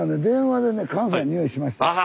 電話でね関西のにおいしました。